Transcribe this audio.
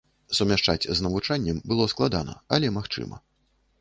Сумяшчаць з навучаннем было складана, але магчыма.